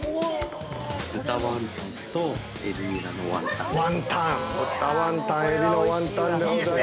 ◆豚ワンタンとエビニラのワンタンです。